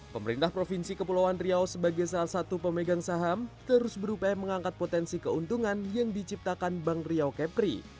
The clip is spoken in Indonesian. pemerintah provinsi kepulauan riau sebagai salah satu pemegang saham terus berupaya mengangkat potensi keuntungan yang diciptakan bank riau kepri